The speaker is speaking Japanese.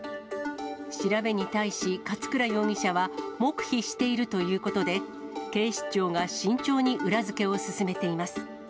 調べに対し、勝倉容疑者は黙秘しているということで、警視庁が慎重に裏付けを進めています。